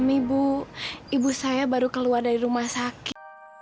ibu ibu saya baru keluar dari rumah sakit